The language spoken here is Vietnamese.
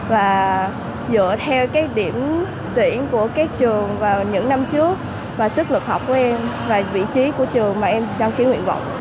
và dựa theo các điểm tuyển của gia đình